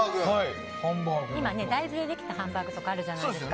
今、大豆でできたハンバーグとかあるじゃないですか。